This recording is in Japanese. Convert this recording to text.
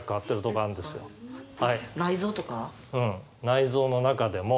内臓の中でも。